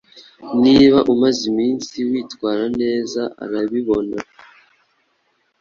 niba umaze iminsi witwara neza arababibona